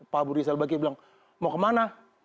pak abu riza bakri bilang mau kemana